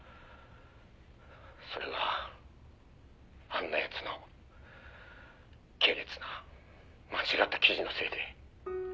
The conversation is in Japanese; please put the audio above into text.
「それがあんな奴の下劣な間違った記事のせいで」